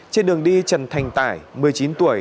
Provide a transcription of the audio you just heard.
trên đường đi trần thành tải một mươi chín tuổi